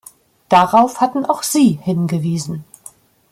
Darauf hatten auch Sie hingewiesen.